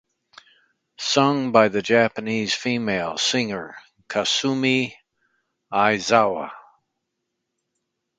Sung by the Japanese female singer Kasumi Aizawa.